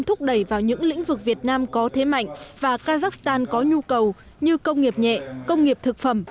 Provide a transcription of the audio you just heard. thúc đẩy vào những lĩnh vực việt nam có thế mạnh và kazakhstan có nhu cầu như công nghiệp nhẹ công nghiệp thực phẩm